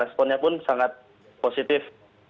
responnya pun sangat positif